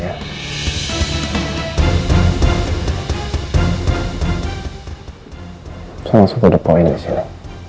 saya langsung pada poin disini